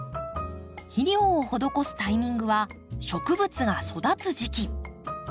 肥料を施すタイミングは植物が育つ時期。